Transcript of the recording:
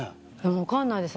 分かんないです